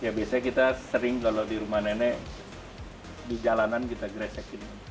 ya biasanya kita sering kalau di rumah nenek di jalanan kita gresekin